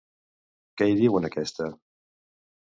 Què hi diu en aquesta?